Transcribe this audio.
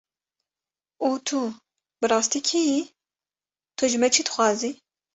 Û tu bi rastî kî yî, tu ji me çi dixwazî?